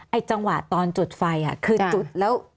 จังหวะตอนจุดไฟคือจุดแล้ว